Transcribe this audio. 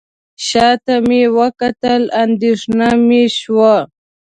شاته مې وکتل اندېښنه مې شوه.